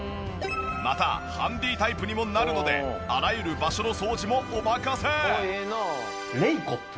またハンディータイプにもなるのであらゆる場所の掃除もお任せ！